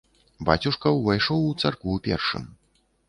Бацюшка ўвайшоў у царкву першым.